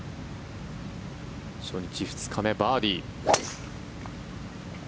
初日、２日目、バーディー。